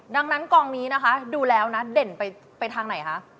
ดังนั้นกองนี้นะคะดูแล้วนะเด่นไปทางไหนคะ